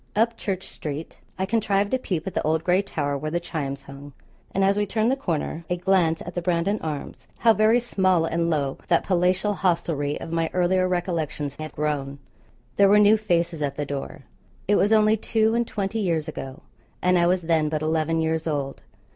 Up Church street I contrived a peep at the old gray tower where the chimes hung; and as we turned the corner a glance at the 'Brandon Arms.' How very small and low that palatial hostelry of my earlier recollections had grown! There were new faces at the door. It was only two and twenty years ago, and I was then but eleven years old.